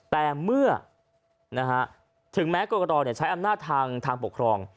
แต่เมื่อถึงแม้กรกตใช้อำนาจทางปกครอง